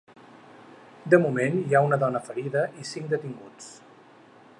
De moment, hi ha una dona ferida i cinc detinguts.